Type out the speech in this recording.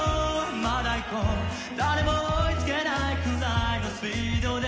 まだ行こう誰も追いつけないくらいのスピードで